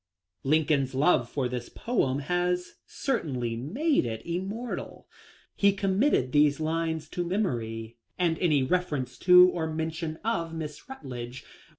Lin coln's love for this poem has certainly made it im mortal. He committed these lines to memory, and any reference to or mention of Miss Rutledge THE LIFE OF LINCOLN.